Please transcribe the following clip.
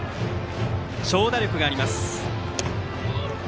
長打力があります。